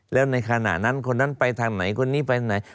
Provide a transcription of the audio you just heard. แล้วในขณะนั้นคนนั้นไปทางไหนคนนี้ไปไหน